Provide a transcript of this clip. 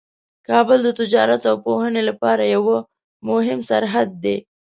کابل د تجارت او پوهنې لپاره یوه مهمه سرحد ده.